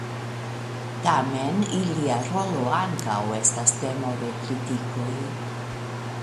Tamen ilia rolo ankaŭ estas temo de kritikoj.